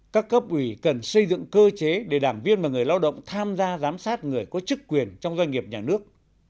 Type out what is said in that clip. các cấp ủy cần xây dựng cơ chế để đảng viên và người lao động tham gia giám sát người có chức quyền trong doanh nghiệp nhà nước